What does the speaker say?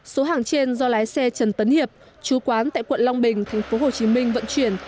số hàng trên do lái xe trần tấn hiệp chú quán tại quận long bình tp hcm vận chuyển